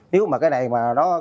nếu mà cái này mà nó có lợi